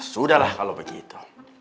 sudahlah kalau begitu